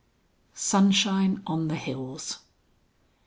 SUNSHINE ON THE HILLS.